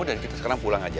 dan kita sekarang pulang aja